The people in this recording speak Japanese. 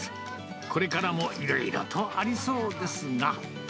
これからもいろいろとありそうですが。